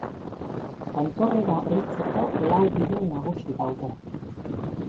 Tontorrera heltzeko lau bide nagusi daude.